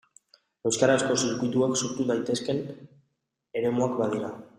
Euskarazko zirkuituak sortu daitezkeen eremuak badira.